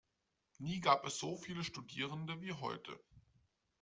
Nie gab es so viele Studierende wie heute.